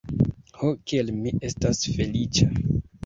Ho, kiel mi estas feliĉa!